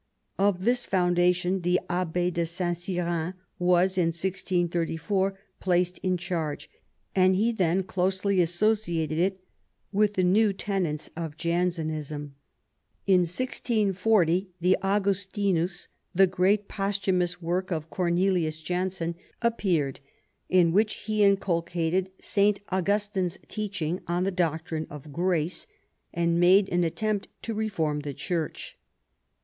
Of this foundation the Abb^ de St. Cyran was in 1634 placed in charge, and he then closely associated it with the new tenets of Jansenismu In 1640 the Augustinus — the great posthumous work of Cornelius Jansen — appeared, m which he inculcated St. Augustine's teaching on the doctrine of grace, and made an attempt to reform the Church.